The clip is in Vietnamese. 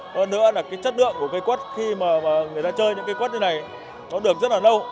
hơn nữa là cái chất lượng của cây quất khi mà người ta chơi những cây quất như này nó được rất là lâu